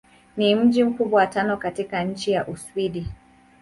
Ni mji mkubwa wa tano katika nchi wa Uswidi.